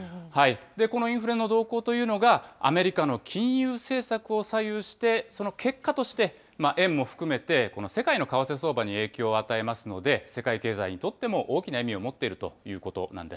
このインフレの動向というのが、アメリカの金融政策を左右して、その結果として、円も含めてこの世界の為替相場に影響を与えますので、世界経済にとっても大きな意味を持っているということなんです。